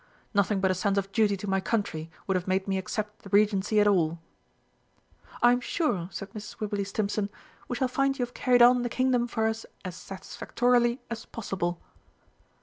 "Nothing but a sense of duty to my country would have made me accept the Regency at all." "I am sure," said Mrs. Wibberley Stimpson, "we shall find you have carried on the Kingdom for us as satisfactorily as possible."